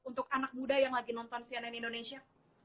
untuk anak muda yang lagi nonton cnn indonesia